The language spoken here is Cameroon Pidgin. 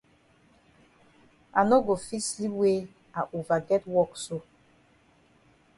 I no go fit sleep wey I ova get wok so.